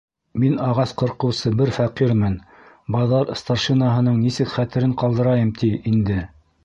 Мин ағас ҡырҡыусы бер фәҡирмен, баҙар старшинаһының нисек хәтерен ҡалдырайым ти инде?